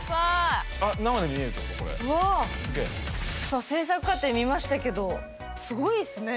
さあ制作過程見ましたけどすごいですね。